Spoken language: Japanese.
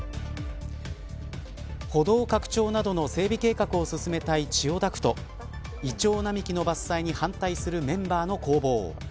歩道拡張などの整備計画を進めたい千代田区とイチョウ並木の伐採に反対するメンバーの攻防。